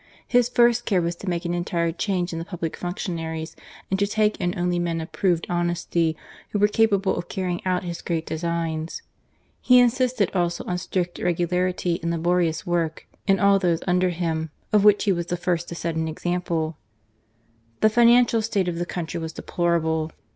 His first care was to make an entire change in the pubHc functionaries, and to take in only men of proved honesty who were capable of carrying out his great designs. He insisted also on strict regularity and laborious work no GARCIA MORENO. in all those under him, of which he was the first to set an example. The financial state of the countrj' was deplorable.